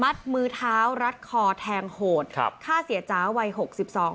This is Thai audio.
มือเท้ารัดคอแทงโหดครับฆ่าเสียจ๋าวัยหกสิบสอง